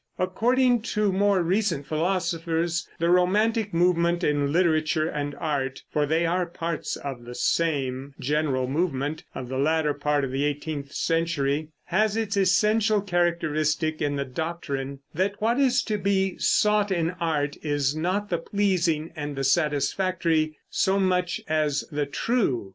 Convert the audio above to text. According to more recent philosophers, the romantic movement in literature and art (for they are parts of the same general movement of the latter part of the eighteenth century) has its essential characteristic in the doctrine that what is to be sought in art is not the pleasing and the satisfactory, so much as the true.